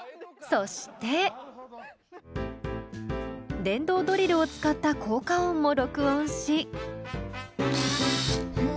そして電動ドリルを使った効果音も録音し。